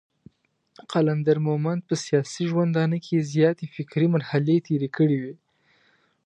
قلندر مومند په سياسي ژوندانه کې زياتې فکري مرحلې تېرې کړې وې.